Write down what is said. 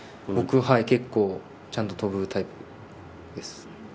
僕は結構ちゃんと飛ぶタイプです。